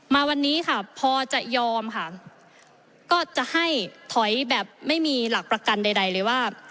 มาวันนี้ค่ะพอจะยอมค่ะก็จะให้ถอยแบบไม่มีหลักประกันใดเลยว่า